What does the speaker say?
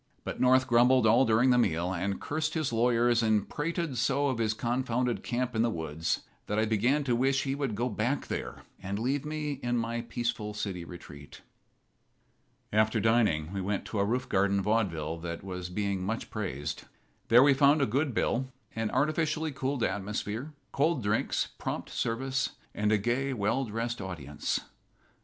But North grumbled all during the meal, and cursed his lawyers and prated so of his confounded camp in the woods that I began to wish he would go back there and leave me in my peaceful city retreat. After dining we went to a roof garden vaudeville that was being much praised. There we found a good bill, an artificially cooled atmosphere, cold drinks, prompt service, and a gay, well dressed audience.